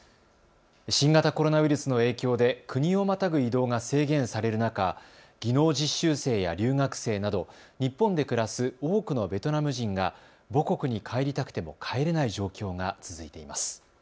新型コロナウイルスの影響で国をまたぐ移動が制限される中、技能実習生や留学生など日本で暮らす多くのベトナム人が母国に帰りたくても帰れない状況が続いています。